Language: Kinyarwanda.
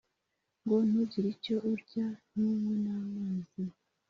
ngo ‘Ntugire icyo urya ntunywe n’amazi